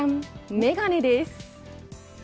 眼鏡です。